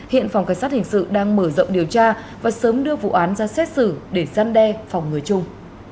hiện phòng cảnh sát hình sự đang mở rộng điều tra và sớm đưa vụ án ra xét xử để gian đe phòng người chung